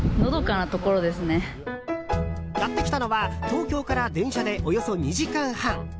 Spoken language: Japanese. やってきたのは東京から電車でおよそ２時間半。